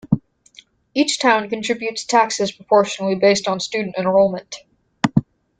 Each town contributes taxes proportionally based on student enrollment.